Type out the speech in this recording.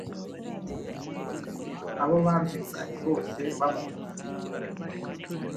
zituma abo babyirukanye bose bamukunda